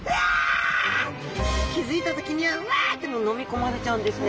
気付いた時にはわ！って飲み込まれちゃうんですね。